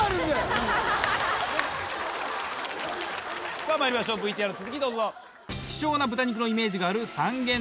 さぁまいりましょうＶＴＲ続きどうぞ。